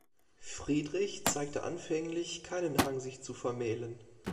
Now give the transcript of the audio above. Friedrich zeigte anfänglich keinen Hang sich zu vermählen.